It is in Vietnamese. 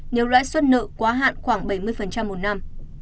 nếu lãi suất nợ quá hạn khoảng bảy mươi một năm